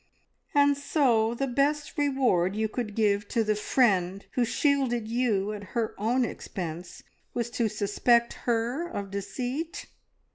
"And so the best reward you could give to the friend who shielded you at her own expense was to suspect her of deceit!